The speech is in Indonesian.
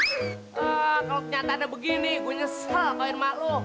kalau kenyataannya begini gua nyesel kawin sama lu